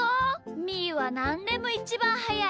みーはなんでもイチバンはやい